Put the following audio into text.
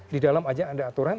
di dalam aja ada aturan